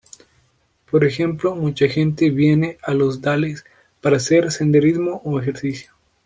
Por ejemplo, mucha gente viene a los "Dales" para hacer senderismo o ejercicio.